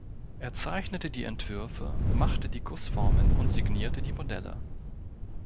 Er zeichnete die Entwürfe, machte die Gussformen und signierte die Modelle.